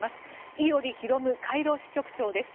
伊従啓カイロ支局長です。